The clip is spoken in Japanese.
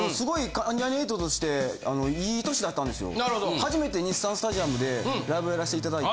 初めて日産スタジアムでライブやらして頂いて。